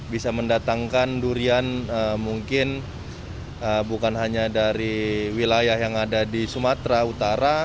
bisa mendatangkan durian mungkin bukan hanya dari wilayah yang ada di sumatera utara